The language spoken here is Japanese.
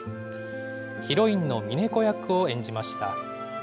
ヒロインのみね子役を演じました。